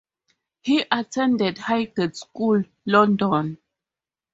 He attended Highgate School, London.